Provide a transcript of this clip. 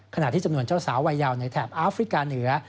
ขณะที่จำนวนเจ้าสาววัยยาวในแถบอาฟริกาเหนือ